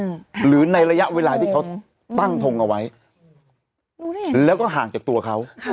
หรือในระยะเวลาที่เขาตั้งทงเอาไว้ดูดิแล้วก็ห่างจากตัวเขาค่ะ